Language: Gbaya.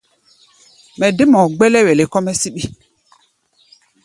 Mɛ dé mɔ gbɛ́lɛ́wɛlɛ kɔ́-mɛ́ síɓí.